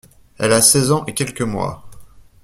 Elle a seize ans et quelques mois!